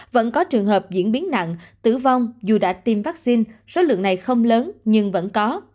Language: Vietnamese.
vẫn có trường hợp diễn biến nặng tử vong dù đã tiêm vaccine số lượng này không lớn nhưng vẫn có